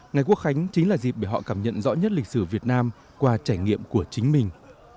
ngày quốc khánh chính là dịp để họ cảm nhận rõ nhất lịch sử việt nam qua trải nghiệm của chính mình